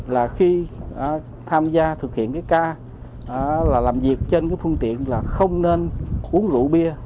là khi tham gia thực hiện cái ca là làm việc trên cái phương tiện là không nên uống rượu bia